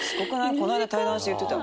この間対談して言ってた。